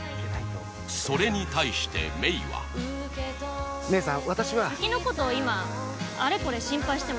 それに対してメイはメイさん